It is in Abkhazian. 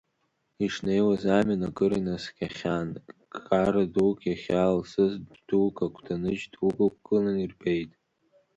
Ишнеиуаз амҩан, акыр инаскьахьан, ккара дук иахьаалсыз дә-дук агәҭаны џь-дук ықәгыланы ирбеит.